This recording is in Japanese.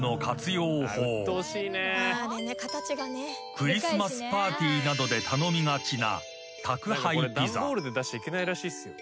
［クリスマスパーティーなどで頼みがちな］